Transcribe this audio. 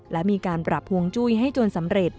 และมีการปรับฮวงจุ้ยให้จนสำเร็จ